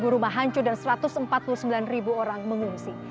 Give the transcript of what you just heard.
enam puluh tujuh rumah hancur dan satu ratus empat puluh sembilan orang mengumumsi